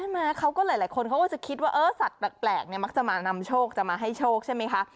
ใช่ไหมหลายคนเขาก็จะคิดว่าสัตว์แปลกมักจะมานำโชคจะมาให้โชคใช่ไหมคะ